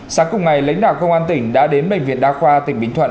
sáng cùng ngày lãnh đạo công an tỉnh đã đến bệnh viện đa khoa tỉnh bình thuận